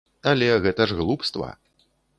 Але гэта ж глупства.